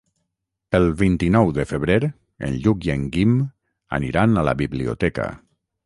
El vint-i-nou de febrer en Lluc i en Guim aniran a la biblioteca.